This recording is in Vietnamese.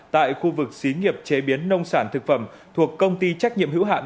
tại khu vực xí nghiệp chế biến nông sản thực phẩm thuộc công ty trách nhiệm hữu hạn